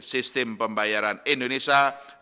sistem pembayaran indonesia dua ribu dua puluh lima